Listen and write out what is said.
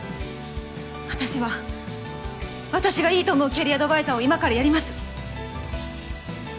私は私がいいと思うキャリアアドバイザーを今からやります。